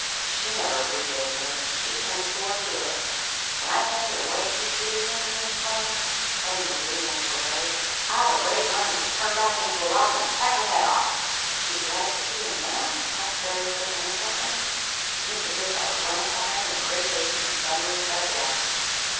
She never appreciated me. She couldn't soar to it. When I think of the way she treated me," he exclaimed, suddenly getting into a rage, "I've a great mind to turn back into a robin and peck her head off!" "Would you like to see her now?" asked Fairyfoot, innocently. Mr. Goodfellow glanced behind him in great haste, and suddenly sat down.